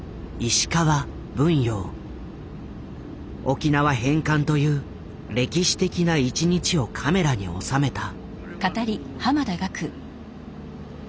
沖縄返還という歴史的な１日をカメラに収めた。